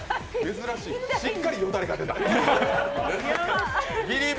珍しい、しっかりよだれが出た。